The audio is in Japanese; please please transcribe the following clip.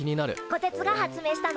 こてつが発明したのか？